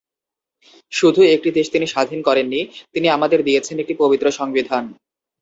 শুধু একটি দেশ তিনি স্বাধীন করেননি, তিনি আমাদের দিয়েছেন একটি পবিত্র সংবিধান।